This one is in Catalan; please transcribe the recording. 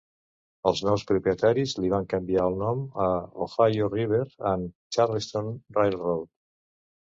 Els nous propietaris li van canviar el nom a Ohio River and Charleston Railroad.